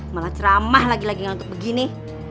malah ceramah lagi lagi ngantuk begini